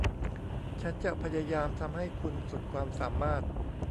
ฉันจะพยายามทำให้คุณสุดความสามารถ